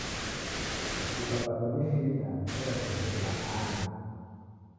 Kukapatwa ni shida ngera kukimbiria ani